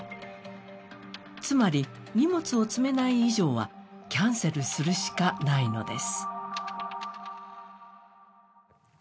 つまり荷物を積めない以上はキャンセルするしかないのです。